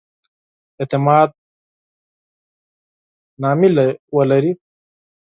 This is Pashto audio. اعتماد نامې ولري.